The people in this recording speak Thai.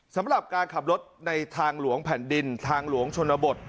สำหรับการขับรถในทางหลวงแผ่นดินทางหลวงชนบท